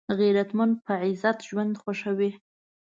غیرتمند په عزت ژوند خوښوي